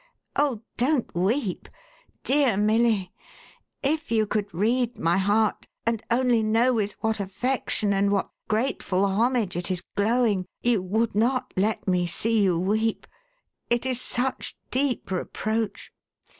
Oh don't weep ! Dear Milly, if you could read my heart, and only know with what affection and what grateful homage it is glowing, you would not let me see you weep. It is such deep reproach."